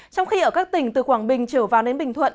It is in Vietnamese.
trong khi ở các tỉnh từ quảng bình trở vào đến bình thuận